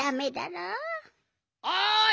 ・おい